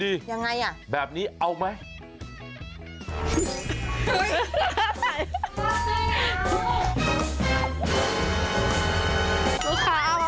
ทำยังไงดีแบบนี้เอาไหมยังไงล่ะ